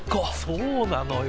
そうなのよ。